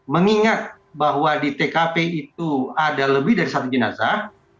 mengingat bahwa di tkp itu ada lebih dari satu jenazah